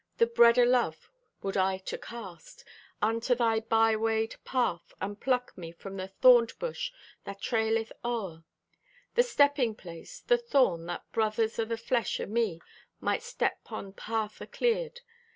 The bread o' love would I to cast Unto thy bywayed path, and pluck me From the thornèd bush that traileth o'er The stepping place, the thorn, that brothers O' the flesh o' me might step 'pon path acleared.